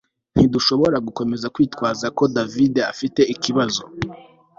ntidushobora gukomeza kwitwaza ko davide adafite ikibazo